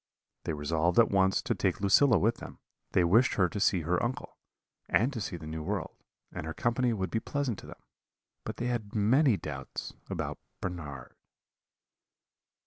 They resolved at once to take Lucilla with them; they wished her to see her uncle, and to see the New World, and her company would be pleasant to them; but they had many doubts about Bernard.